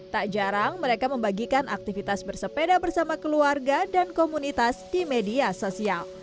tak jarang mereka membagikan aktivitas bersepeda bersama keluarga dan komunitas di media sosial